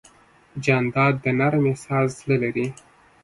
جانداد د نرم احساس زړه لري.